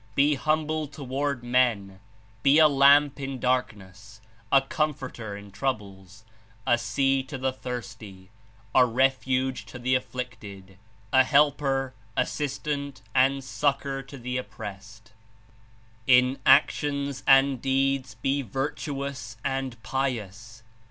Be humble to ward men, be a lamp in darkness, a comforter in troubles, a sea to the thirsty, a refuge to the afflicted, a helper, assistant and succor to the oppressed. "In actions and deeds be virtuous and pious.